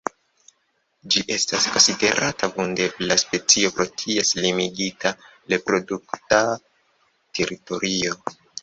Ĝi estas konsiderata vundebla specio pro ties limigita reprodukta teritorio.